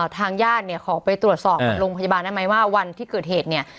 ทางญาติเนี่ยขอไปตรวจสอบกับโรงพยาบาลได้ไหมว่าวันที่เกิดเหตุเนี่ย